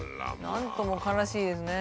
何とも悲しいですね。